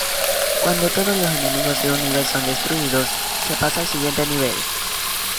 Cuando todos los enemigos de un nivel son destruidos, se pasa al siguiente nivel.